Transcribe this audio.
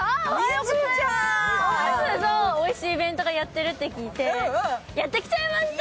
おいしいイベントやってるって聞いて、やってきちゃいました。